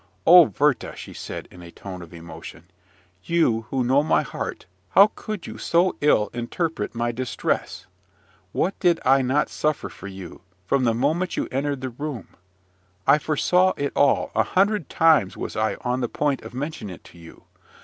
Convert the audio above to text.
"O Werther!" she said, in a tone of emotion, "you, who know my heart, how could you so ill interpret my distress? What did I not suffer for you, from the moment you entered the room! I foresaw it all, a hundred times was I on the point of mentioning it to you.